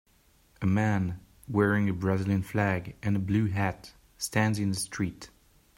A man wearing a Brazilian flag and a blue hat stands in the street.